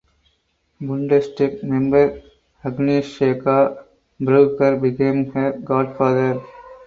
Bundestag member Agnieszka Brugger became her "godfather".